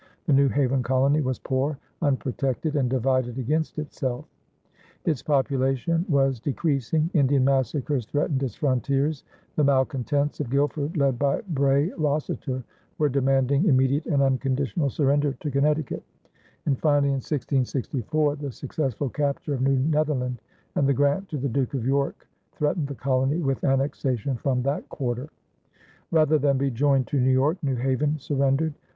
The New Haven colony was poor, unprotected, and divided against itself. Its population was decreasing; Indian massacres threatened its frontiers; the malcontents of Guilford, led by Bray Rossiter, were demanding immediate and unconditional surrender to Connecticut; and finally in 1664 the successful capture of New Netherland and the grant to the Duke of York threatened the colony with annexation from that quarter. Rather than be joined to New York, New Haven surrendered.